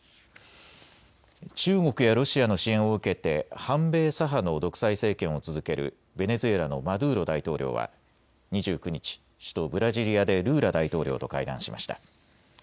中国やロシアの支援を受けて反米左派の独裁政権を続けるベネズエラのマドゥーロ大統領は２９日、首都ブラジリアでルーラ大統領と会談しました。